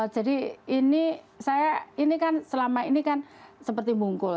jadi ini saya ini kan selama ini kan seperti bungkul